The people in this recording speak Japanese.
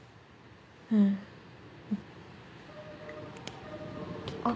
うん。あっ。